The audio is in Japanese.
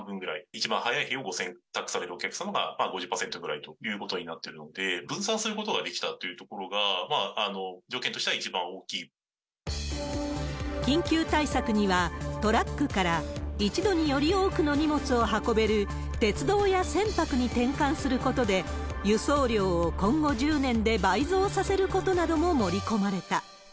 一番早い日をご選択されるお客様が５０％ぐらいということになってるので、分散することができたというところが、緊急対策には、トラックから一度により多くの荷物を運べる鉄道や船舶に転換することで、輸送量を今後１０年で倍増させることなども盛り込まれた。